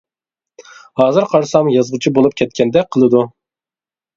ھازىر قارىسام يازغۇچى بولۇپ كەتكەندەك قىلىدۇ.